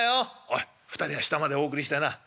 「おい２人は下までお送りしてな」。